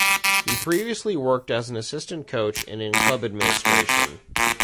He previously worked as an assistant coach and in club administration.